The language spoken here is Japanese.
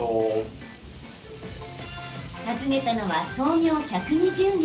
訪ねたのは、創業１２０年。